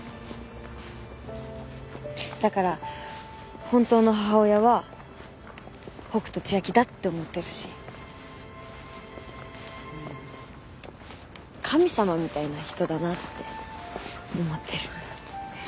だから本当の母親は北斗千明だって思ってるし神様みたいな人だなって思ってる。